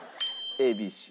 ＡＢＣ。